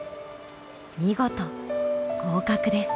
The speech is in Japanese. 見事合格です。